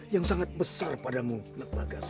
yang sangat besar padamu anak bagas